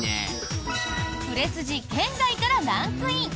売れ筋圏外からランクイン！